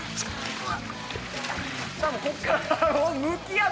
うわ！